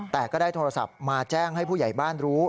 แต่ก็ได้โทรศัพท์มาแจ้งให้ผู้ใหญ่บ้านรู้